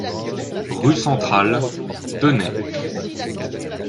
Rue Centrale, Tenay